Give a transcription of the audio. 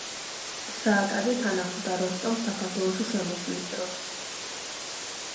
სააკაძე თან ახლდა როსტომს საქართველოში შემოსვლის დროს.